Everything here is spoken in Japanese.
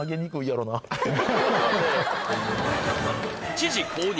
知事公認